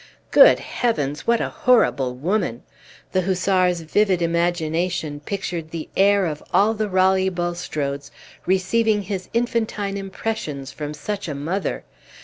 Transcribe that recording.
Good heavens! what a horrible woman! The hussar's vivid imagination pictured the heir of all the Raleigh Bulstrodes receiving his infantine impressions from such a mother.